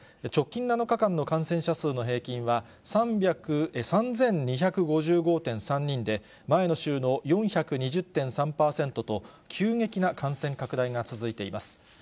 直近７日間の感染者数の平均は、３２５５．３人で、前の週の４２０．３％と、急激な感染拡大が続いています。